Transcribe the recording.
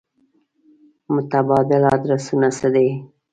متبادل ادرسونه څه دي.